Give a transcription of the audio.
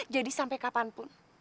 jadi sampai kapan pun